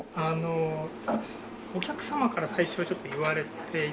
あのお客様から最初ちょっと言われて。